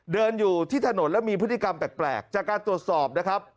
เดินอยู่ที่ถนนแล้วมีพฤติกรรมแปลกจากการตรวจสอบนะครับ